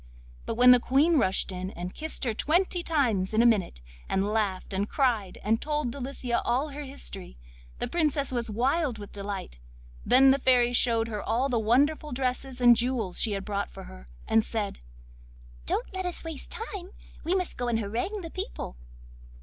But when the Queen rushed in, and kissed her twenty times in a minute, and laughed, and cried, and told Delicia all her history, the Princess was wild with delight. Then the Fairy showed her all the wonderful dresses and jewels she had brought for her, and said: 'Don't let us waste time; we must go and harangue the people.